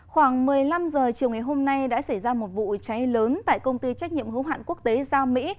khoảng một mươi năm h chiều ngày hôm nay đã xảy ra một vụ cháy lớn tại công ty trách nhiệm hữu hạn quốc tế giao mỹ